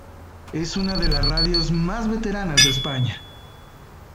Es una de las radios más veteranas de España.